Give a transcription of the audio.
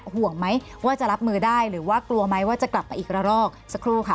ห่วงไหมว่าจะรับมือได้หรือว่ากลัวไหมว่าจะกลับมาอีกละรอกสักครู่ค่ะ